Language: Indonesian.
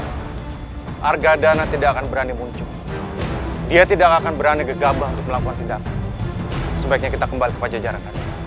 sampai jumpa di video selanjutnya